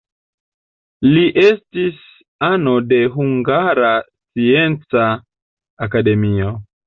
Li estis ano de Hungara Scienca Akademio.